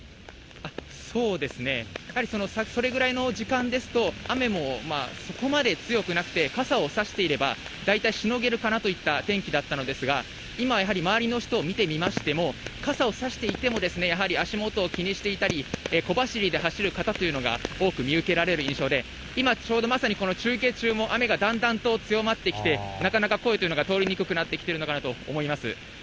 やはりそれぐらいの時間ですと、雨もそこまで強くなくて、傘を差していれば大体しのげるかなといった天気だったんですが、今やはり周りの人を見てみましても、傘を差していてもやはり足元を気にしていたり、小走りで走る方というのが多く見受けられる印象で、今、ちょうどまさにこの中継中も雨がだんだんと強まってきて、なかなか声というのが通りにくくなってきているのかなと思います。